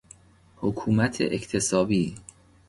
حکومت اکتسابی